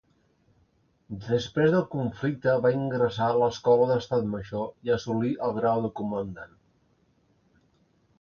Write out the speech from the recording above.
Després del conflicte va ingressar a l'Escola d'Estat Major i assolí el grau de comandant.